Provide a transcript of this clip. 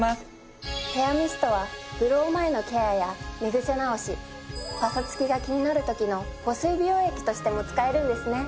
ヘアミストはブロー前のケアや寝ぐせ直しパサつきが気になる時の保水美容液としても使えるんですね。